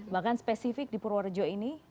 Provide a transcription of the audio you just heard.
bahkan spesifik di purworejo ini